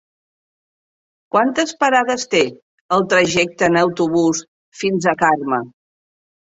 Quantes parades té el trajecte en autobús fins a Carme?